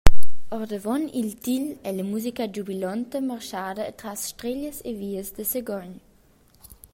Ordavon il til ei la musica giubilonta marschada atras streglias e vias da Sagogn.